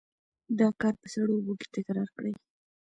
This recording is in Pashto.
دا کار په سړو اوبو کې تکرار کړئ.